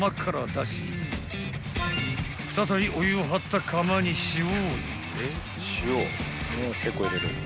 ［再びお湯を張った釜に塩を入れ］